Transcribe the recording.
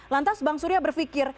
lantas bang surya berpikir